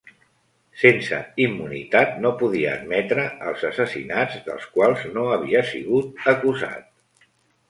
Sense immunitat, no podia admetre els assassinats dels quals no havia sigut acusat.